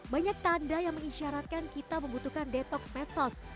banyak tanda yang mengisyaratkan kita membutuhkan detox medsos